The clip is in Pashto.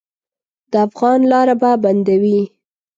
د افغان لاره به بندوي.